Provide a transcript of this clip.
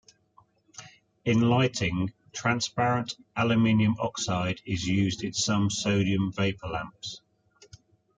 In lighting, transparent aluminium oxide is used in some sodium vapor lamps.